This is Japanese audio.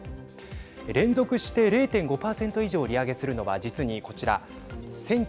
連続して０．５％以上利上げするのは実に、こちら。